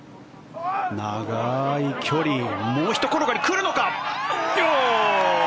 長い距離もうひと転がり来るのか！